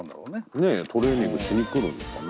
ねえトレーニングしに来るんですかね。